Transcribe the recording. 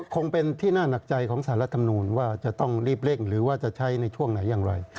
คงเป็นที่น่าหนักใจของสารรัฐธรรมนูลว่าจะต้องรีบเร่งหรือว่าจะใช้ในช่วงไหนอย่างไร